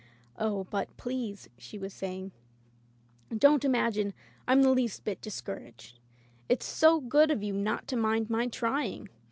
"Oh, but please/' she was sa3ring, "don't imagine Vm the least bit discouraged. It's so good of you not to mind my trying.